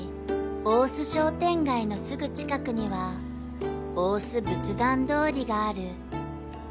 大須商店街のすぐ近くには大須仏壇通りがある］